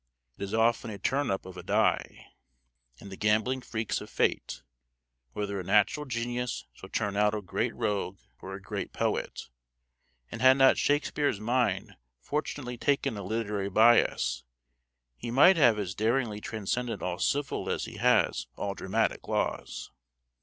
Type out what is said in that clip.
It is often a turn up of a die, in the gambling freaks of fate, whether a natural genius shall turn out a great rogue or a great poet; and had not Shakespeare's mind fortunately taken a literary bias, he might have as daringly transcended all civil as he has all dramatic laws.